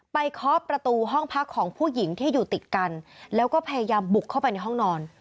เคาะประตูห้องพักของผู้หญิงที่อยู่ติดกันแล้วก็พยายามบุกเข้าไปในห้องนอน